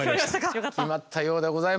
決まったようでございます。